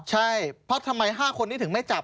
ใช่เพราะทำไม๕คนนี้ถึงไม่จับ